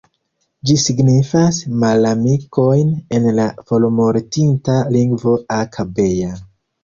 Ĝi signifas "malamikojn" en la formortinta lingvo Aka-Bea.